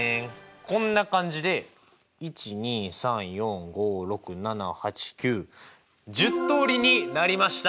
こんな感じで１２３４５６７８９１０通りになりました！